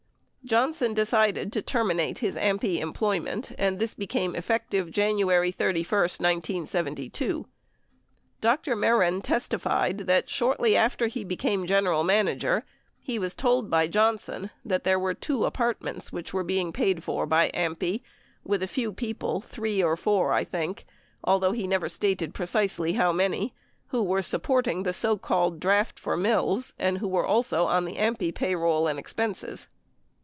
Johnson decided to terminate his AMPI employment and this became effective January 31, 1972. Dr. Mehren testified that shortly after he became general manager he was told by Johnson that "... there were two apartments which were being paid for by AMPI with a few people, three or four, I think, although he never stated precisely how many, who were supporting the so called draft for Mills, who were also on the AMPI payrolls and expenses."